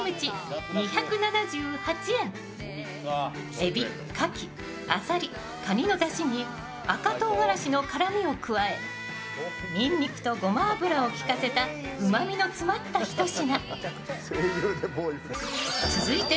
えび、かき、あさり、かにのだしに赤とうがらしの辛みを加え、にんにくとごま油を利かせたうまみの詰まったひと品。